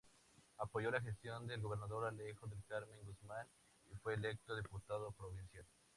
Apoyó la gestión del gobernador Alejo del Carmen Guzmán y fue electo diputado provincial.